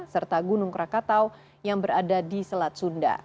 serta gunung krakatau yang berada di selat sunda